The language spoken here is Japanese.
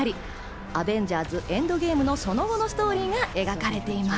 『アベンジャーズ／エンドゲーム』のその後のストーリーが描かれています。